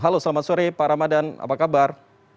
halo selamat sore pak ramadan apa kabar